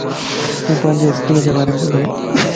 تون پانجي اسڪولجي ڀاريم ٻڌائي